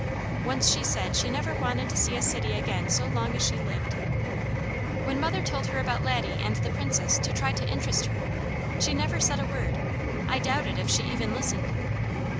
Once she said she never wanted to see a city again so long as she lived. When mother told her about Laddie and the Princess to try to interest her, she never said a word; I doubted if she even listened.